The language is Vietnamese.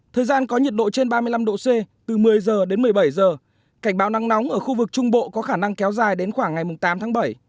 thời gian có nhiệt độ trên ba mươi năm độ c từ một mươi h đến một mươi bảy giờ cảnh báo nắng nóng ở khu vực trung bộ có khả năng kéo dài đến khoảng ngày tám tháng bảy